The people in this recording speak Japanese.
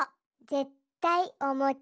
ぜったいおもち。